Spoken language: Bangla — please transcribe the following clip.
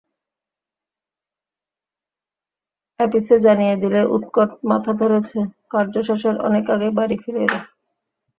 আপিসে জানিয়ে দিলে উৎকট মাথা ধরেছে, কার্যশেষের অনেক আগেই বাড়ি ফিরে এল।